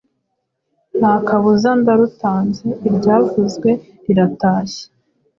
Nta kabuza ndarutanze! Iryavuzwe riratashye!